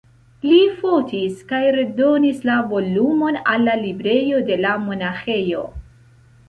Li fotis kaj redonis la volumon al la librejo de la monaĥejo.